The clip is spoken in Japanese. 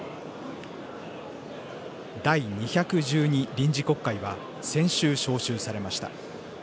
第２１２臨時国会は先週、召集されました。